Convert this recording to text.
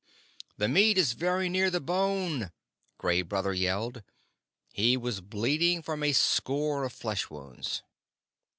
"The meat is very near the bone," Gray Brother yelled. He was bleeding from a score of flesh wounds.